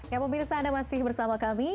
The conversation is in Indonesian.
ya pemirsa anda masih bersama kami